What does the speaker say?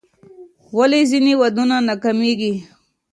ولې ځینې ودونه ناکامیږي؟